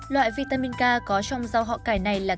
loại vitamin k có trong rau họ cải này là k một